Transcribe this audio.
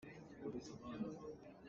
Meh ah cite phulh lo ahcun a thaw duh lo.